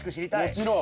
もちろん。